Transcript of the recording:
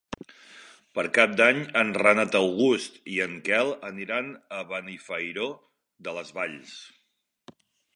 Per Cap d'Any en Renat August i en Quel aniran a Benifairó de les Valls.